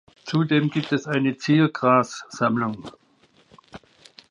Zudem gibt es eine Ziergrassammlung.